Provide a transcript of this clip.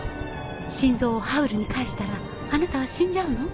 心臓をハウルに返したらあなたは死んじゃうの？